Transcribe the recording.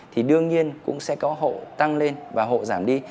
thì đương nhiên cũng sẽ có hộ tăng lên và hộ giảm đi